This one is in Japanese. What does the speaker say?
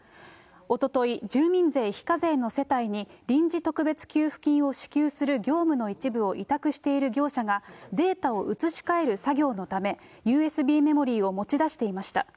おととい、住民税非課税の世帯に、臨時特別給付金を支給する業務の一部を委託している業者が、データを移し替える作業のため、ＵＳＢメモリーを持ち出していました。